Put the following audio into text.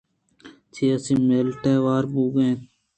چہ سی ملٹ ءَ ھور بوگ ءَ اِنت